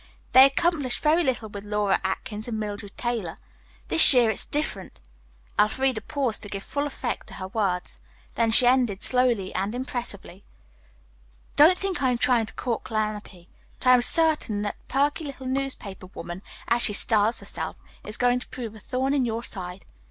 They accomplished very little with Laura Atkins and Mildred Taylor. This year it's different." Elfreda paused to give full effect to her words. Then she ended slowly and impressively: "Don't think I'm trying to court calamity, but I am certain that perky little newspaper woman, as she styles herself, is going to prove a thorn in your side.